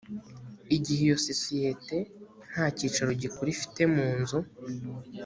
igihe iyo isosiyete nta cyicaro gikuru ifite munzu